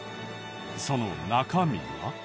その中身は。